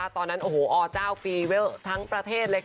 ตอนนั้นโอ้โหเอาบุดวอังกฤษทั้งประเทศเลยค่ะ